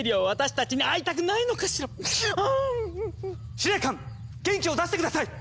司令官元気を出して下さい！